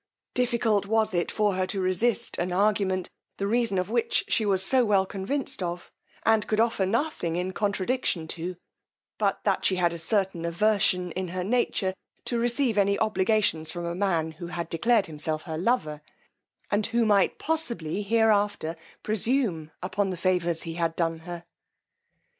Difficult was it for her to resist an argument, the reason of which she was so well convinced of, and could offer nothing in contradiction to, but that she had a certain aversion in her nature to receive any obligations from a man who had declared himself her lover, and who might possibly hereafter presume upon the favours he had done her.